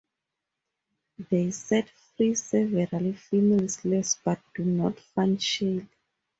They set free several female slaves but do not find Shelly.